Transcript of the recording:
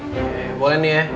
boleh nih ya